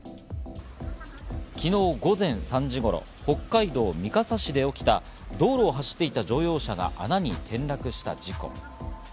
昨日午前３時頃、北海道三笠市で起きた道路を走っていた乗用車が穴に転落した事故。